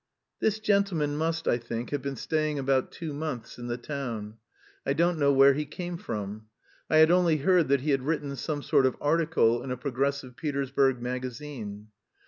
This gentleman must, I think, have been staying about two months in the town; I don't know where he came from. I had only heard that he had written some sort of article in a progressive Petersburg magazine.